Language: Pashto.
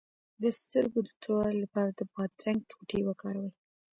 د سترګو د توروالي لپاره د بادرنګ ټوټې وکاروئ